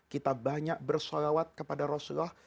kita banyak bersolawat kepada rasulullah